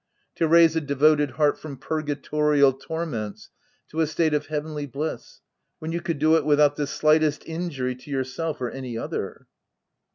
— to raise a devoted heart from purgatorial torments to a state of heavenly bliss when you could do it without the slightest in jury to yourself or any other?"